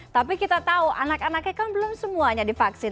tapi kita tahu anak anaknya kan belum semuanya divaksin